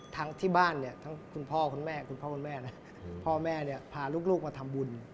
ที่บ้านทั้งคุณพ่อคุณแม่พ่อแม่พาลูกมาทำบุญ